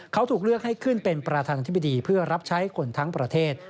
เขาถูกเลือกให้ขึ้นเป็นประธานาธิบดีเพื่อรับใช้คนทั้งประเทศ